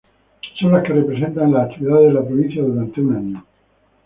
Son las que representan en las actividades de la provincia durante un año.